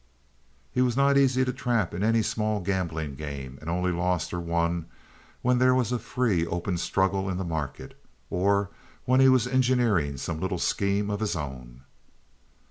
He was not easy to trap in any small gambling game, and only lost or won when there was a free, open struggle in the market, or when he was engineering some little scheme of his own.